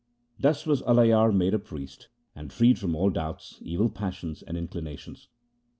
Thus was Alayar made a priest and freed from all doubts, evil passions, and inclinations.